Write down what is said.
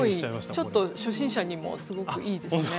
ちょっと初心者にもすごくいいですね。